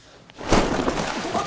あっ！